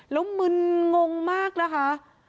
แล้วมึนงงมากนะคะ